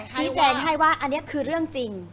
ชี้แจงให้ว่าอันนี้คือเรื่องจริง